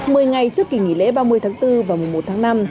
mười ngày trước kỳ nghỉ lễ ba mươi tháng bốn và một mươi một tháng năm